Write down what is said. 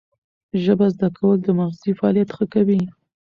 ژبه زده کول د مغزي فعالیت ښه کوي.